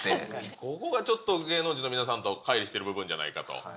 ここがちょっと芸能人の皆さんとかい離してる部分じゃないかと。